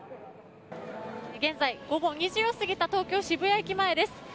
現在午後２時を過ぎた東京・渋谷駅前です。